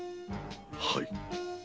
はい。